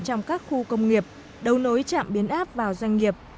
trong các khu công nghiệp đấu nối chạm biến áp vào doanh nghiệp